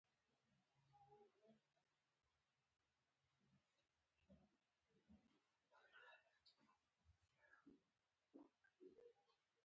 روحانیونو او کشیشانو ته هم ډیره ځمکه ورسیدله.